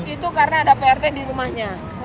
itu karena ada prt di rumahnya